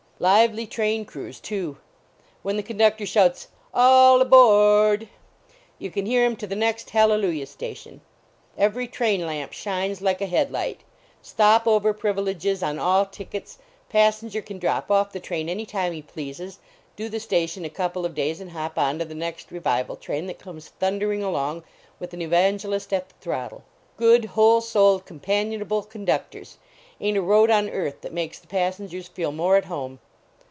Lively train crews, too. When the conductor shouts All a b o a r d ! you can hear him to the next hallelujah station. Every train lamp shines like a head light. Stop over privileges on all tickets; passenger can drop off the train any time he pleases, do the station a couple of days and hop on to the next revival train that comes thunder ing along with an evangelist at the throttle. Good, whole souled, companionable conduc tors; ain t a road on earth that makes the passengers feel more at home.